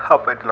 apa yang telah